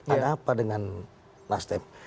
ada apa dengan nasdem